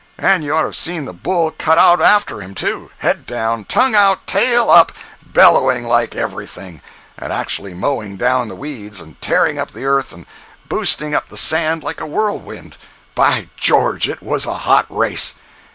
and you ought to have seen the bull cut out after him, too—head down, tongue out, tail up, bellowing like everything, and actually mowing down the weeds, and tearing up the earth, and boosting up the sand like a whirlwind! By George, it was a hot race!